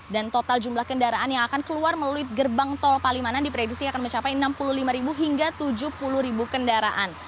dan total jumlah kendaraan yang akan keluar melalui gerbang tol palimanan diprediksi akan mencapai enam puluh lima hingga tujuh puluh kendaraan